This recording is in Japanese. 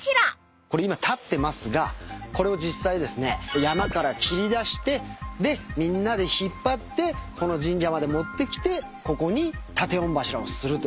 これ今立ってますがこれを実際ですね山から切り出してでみんなで引っ張ってこの神社まで持ってきてここに建御柱をするという。